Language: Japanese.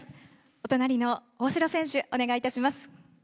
お隣の大城選手、お願いいたします。